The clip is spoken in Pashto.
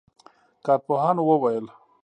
کارپوهانو وویل